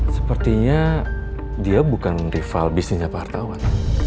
sepertinya dia bukan rival bisnisnya pak wartawan